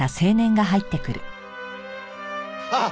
あっ！